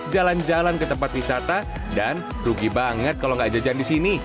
jalan jalan ke tempat wisata dan rugi banget kalau nggak jajan di sini